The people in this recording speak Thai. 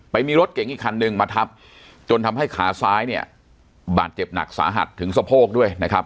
มีรถเก๋งอีกคันหนึ่งมาทับจนทำให้ขาซ้ายเนี่ยบาดเจ็บหนักสาหัสถึงสะโพกด้วยนะครับ